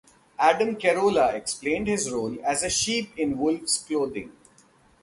Adam Carolla explained his role as a "sheep in wolf's clothing".